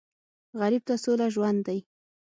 غریب ته سوله ژوند دی